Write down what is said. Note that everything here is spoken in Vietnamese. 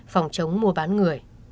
phòng chống mua bán người